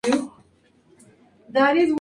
Su torneo favorito es el Torneo de Umag.